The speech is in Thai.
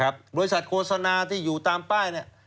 บริษัทโฆษณาที่อยู่ตามป้ายเนี่ย